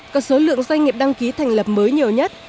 có số lượng doanh nghiệp đăng ký thành lập mới nhiều nhất